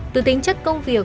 từ tính chất công việc